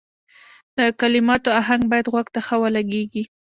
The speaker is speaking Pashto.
د کلماتو اهنګ باید غوږ ته ښه ولګیږي.